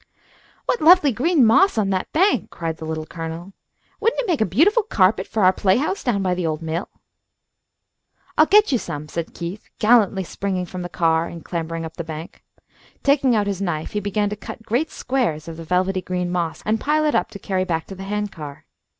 "What lovely green moss on that bank!" cried the Little Colonel. "Wouldn't it make a beautiful carpet for our playhouse down by the old mill?" "I'll get you some," said Keith, gallantly springing from the car and clambering up the bank. Taking out his knife, he began to cut great squares of the velvety green moss, and pile it up to carry back to the hand car.